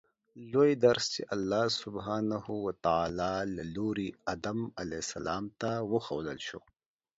لومړی درس چې الله سبحانه وتعالی له لوري آدم علیه السلام ته وښودل شو